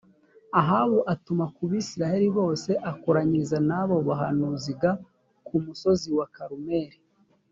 ahabu atuma ku bisirayeli bose akoranyiriza n abo bahanuzi g ku musozi wa karumeli